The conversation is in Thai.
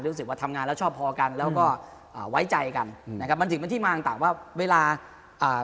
รู้สึกว่าทำงานแล้วชอบพอกันแล้วก็อ่าไว้ใจกันอืมนะครับมันถึงเป็นที่มาต่างต่างว่าเวลาอ่า